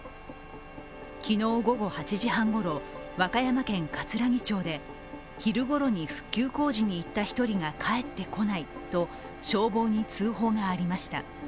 昨日午後８時半ごろ、和歌山県かつらぎ町で昼ごろに復旧工事に行った１人が帰ってこないと消防に通報がありました。